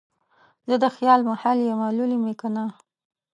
زه دخیال محمل یمه لولی مې کنه